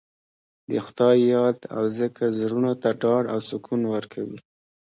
د خدای یاد او ذکر زړونو ته ډاډ او سکون ورکوي.